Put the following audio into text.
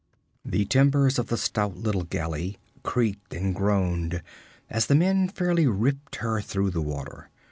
The timbers of the stout little galley creaked and groaned as the men fairly ripped her through the water.